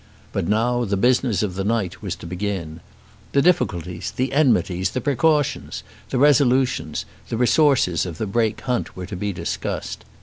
But now the business of the night was to begin. The difficulties, the enmities, the precautions, the resolutions, the resources of the Brake hunt were to be discussed.